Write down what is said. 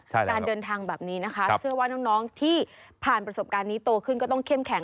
การเดินทางแบบนี้นะคะเชื่อว่าน้องที่ผ่านประสบการณ์นี้โตขึ้นก็ต้องเข้มแข